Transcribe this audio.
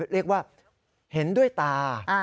เรียกว่าเห็นด้วยตา